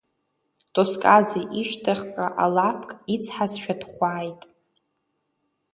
Тускаӡе ишьҭахьҟала алаапк ицҳазшәа дхәааит…